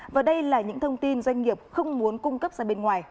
và đây là những thông tin doanh nghiệp không muốn cố gắng